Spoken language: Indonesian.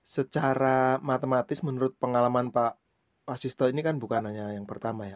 secara matematis menurut pengalaman pak wasisto ini kan bukan hanya yang pertama ya